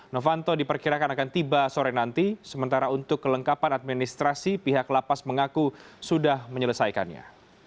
novanto diperkirakan akan tiba sore nanti sementara untuk kelengkapan administrasi pihak lapas mengaku sudah menyelesaikannya